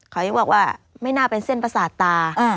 เขายังบอกว่าไม่น่าเป็นเส้นประสาทตา